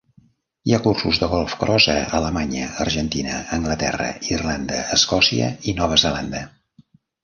Hi ha cursos de GolfCross a Alemanya, Argentina, Anglaterra, Irlanda, Escòcia i Nova Zelanda.